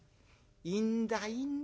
「いいんだいいんだ。